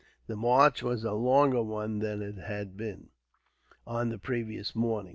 The march was a longer one than it had been, on the previous morning.